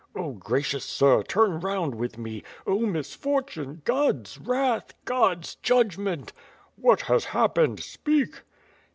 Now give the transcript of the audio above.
"Oh, gracious sir, turn round with me! Oh! misfortune! God's wrath! God's judgment!" "What has happened? Speak."